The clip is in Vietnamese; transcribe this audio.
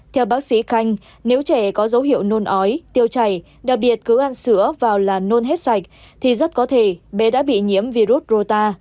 theo bác sĩ khanh nếu trẻ có dấu hiệu nôn ói tiêu chảy đặc biệt cứ ăn sữa vào là nôn hết sạch thì rất có thể bé đã bị nhiễm virus rota